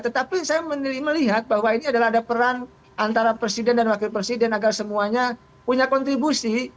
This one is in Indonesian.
tetapi saya melihat bahwa ini adalah ada peran antara presiden dan wakil presiden agar semuanya punya kontribusi